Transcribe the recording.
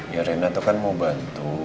ya rina tuh kan mau bantu